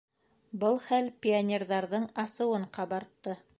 Был хәл пионерҙарҙың асыуын ҡабартты.